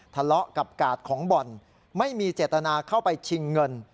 ทะเลาะกับกาดของบ่อนไม่มีเจตนาเข้าไปชิงเงิน